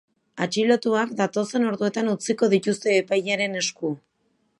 Atxilotuak datozen orduetan utziko dituzte epailearen esku.